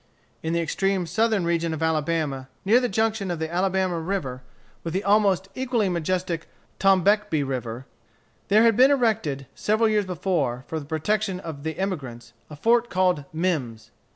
In the extreme southern region of Alabama, near the junction of the Alabama River with the almost equally majestic Tombeckbee River, there had been erected, several years before, for the protection of the emigrants, a fort called Mimms.